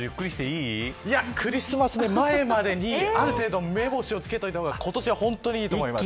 いや、クリスマスの前までにある程度、目星をつけておいた方が今年はいいと思います。